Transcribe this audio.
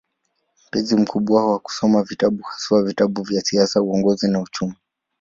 Mpenzi mkubwa wa kusoma vitabu, haswa vitabu vya siasa, uongozi na uchumi.